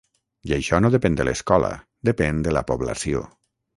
I això no depèn de l’escola, depèn de la població.